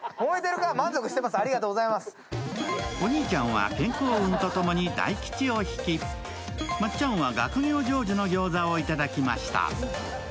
お兄ちゃんは健康運と共に大吉を引きまっちゃんは学業成就の餃子をいただきました。